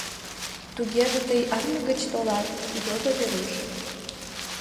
— Тугеже тый армий гыч толат? — йодо Веруш.